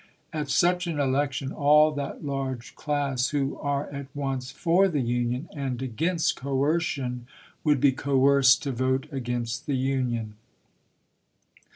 At such an election all that large class who are, at once, for the Union, and against coercion, would be coerced to vote against the Union.